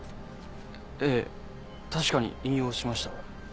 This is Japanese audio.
ええ確かに引用しました。